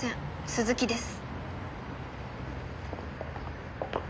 鈴木です。